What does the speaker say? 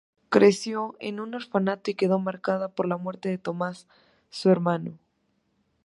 Creció en un orfanato y quedó marcada por la muerte de Tomás, su hermano.